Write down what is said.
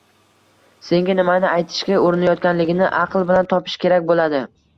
senga nimani aytishga urinayotganligini aql bilan topish kerak bo‘ladi.